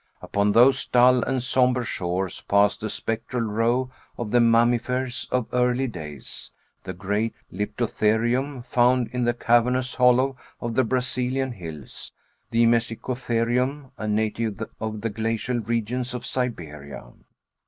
Upon those dull and somber shores passed a spectral row of the mammifers of early days, the great Liptotherium found in the cavernous hollow of the Brazilian hills, the Mesicotherium, a native of the glacial regions of Siberia.